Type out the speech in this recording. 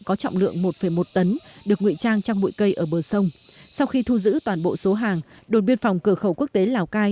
có trọng lượng một một tấn được nguy trang trong bụi cây ở bờ sông sau khi thu giữ toàn bộ số hàng đồn biên phòng cửa khẩu quốc tế lào cai